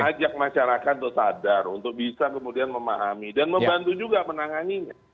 ajak masyarakat untuk sadar untuk bisa kemudian memahami dan membantu juga menanganinya